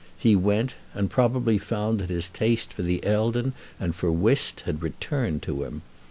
He went, and probably found that his taste for the Eldon and for whist had returned to him.